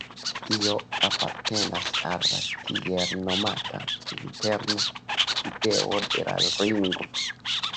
Tio apartenas al la tiel nomata interna ideo de la lingvo.